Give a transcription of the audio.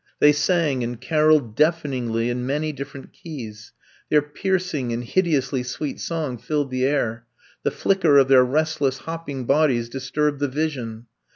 They sang and caroled deafen ingly in many different keys. Their pierc ing and hideously sweet song filled the air ; the flicker of their restless, hopping bodies disturbed the vision.